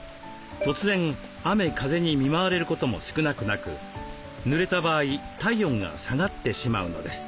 突然雨風に見舞われることも少なくなく濡れた場合体温が下がってしまうのです。